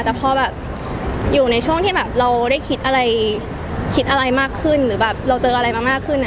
แต่พออยู่ในช่วงที่เราได้คิดอะไรมากขึ้นหรือเราเจอกับอะไรมากขึ้น